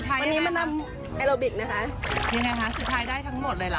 สุดท้ายนี้นะฮะสุดท้ายได้ทั้งหมดเลยเหรอคะสุดท้ายได้ทั้งหมดเลยเหรอคะ